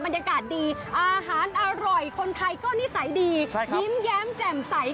บรรยากาศดีอาหารอร่อยคนไทยก็นิสัยดียิ้มแย้มแจ่มใส